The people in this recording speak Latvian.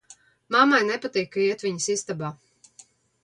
Mammai nepatīk, ka iet viņas istabā.